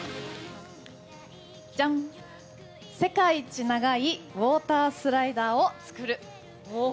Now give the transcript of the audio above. じゃん、世界一長いウォータースライダーを作る。